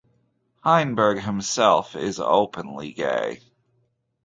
Heinberg himself is openly gay.